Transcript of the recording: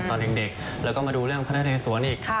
ตอนเด็กแล้วก็มาดูเรื่องพระนเรสวนอีก